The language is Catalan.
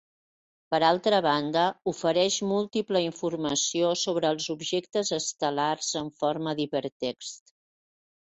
Per altra banda, ofereix múltiple informació sobre els objectes estel·lars en forma d'hipertext.